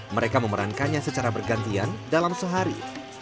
mereka memerankannya secara bergantian dalam sehari